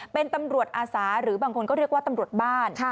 เป็นตำรวจอาสาหรือบางคนก็เรียกว่าตำรวจบ้าน